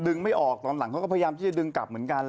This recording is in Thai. ดึงไม่ออกตอนหลังเค้าก็พยายามจะดึงกลับ